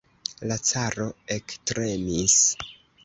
La caro ektremis.